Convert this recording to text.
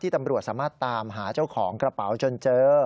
ตำรวจสามารถตามหาเจ้าของกระเป๋าจนเจอ